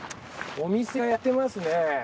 お店がやってますね。